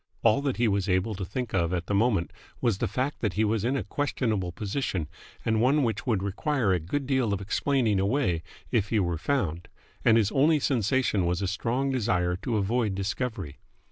All that he was able to think of at the moment was the fact that he was in a questionable position and one which would require a good deal of explaining away if he were found, and his only sensation was a strong desire to avoid discovery.